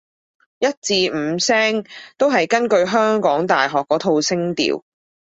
一至五聲都係根據香港大學嗰套聲調